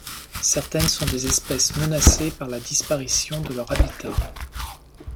Certaines sont des espèces menacées par la disparition de leur habitat.